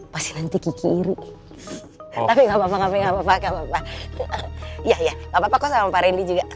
pasti nanti kiki iri tapi enggak papa enggak papa enggak papa enggak papa enggak papa kok sama pak rendy juga